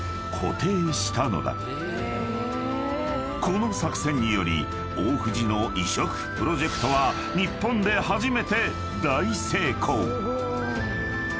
［この作戦により大藤の移植プロジェクトは日本で初めて大成功！］